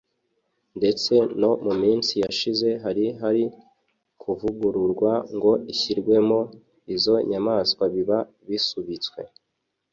ndetse no mu minsi yashize hari hari kuvugururwa ngo ishyirwemo izo nyamaswa biba bisubitswe